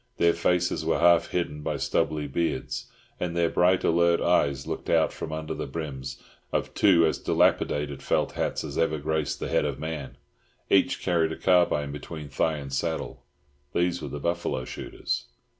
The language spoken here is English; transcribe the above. Their faces were half hidden by stubbly beards, and their bright alert eyes looked out from under the brims of two as dilapidated felt hats as ever graced head of man. Each carried a carbine between thigh and saddle. These were the buffalo shooters.